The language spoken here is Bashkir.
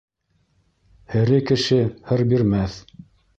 Һере кеше һыр бирмәҫ.